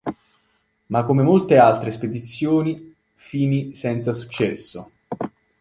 Ma come molte altre spedizioni, fini senza successo.